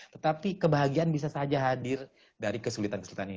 tetapi kebahagiaan bisa saja hadir dari kesulitan kesulitan ini